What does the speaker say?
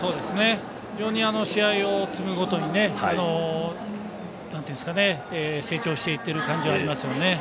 非常に試合を積むごとに成長していっている感じがありますね。